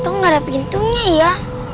kok gak ada pintunya ya